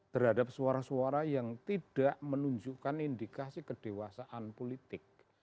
terhadap suara suara yang tidak menunjukkan indikasi kedewasaan politik